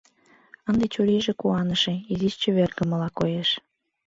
Ынде чурийже куаныше, изиш чевергымыла коеш.